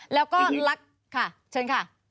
แล้วก็รักค่ะเชิญค่ะ